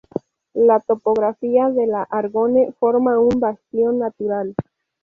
La topografía de la Argonne forma un bastión natural.